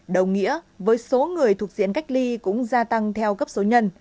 đồng nghĩa với số người thuộc diện cách ly cũng gia tăng theo cấp số nhân